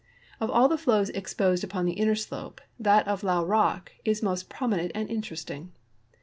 Of all the flows exposed upon the inner slope, that of Llao rock is most prominent and interesting.